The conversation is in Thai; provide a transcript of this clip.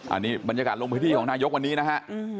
อันนี้บรรยากาศลงพื้นที่ของนายกวันนี้นะฮะ